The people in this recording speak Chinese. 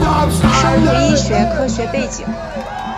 生物医学科学背景